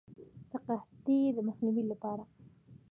د قحطۍ د مخنیوي لپاره.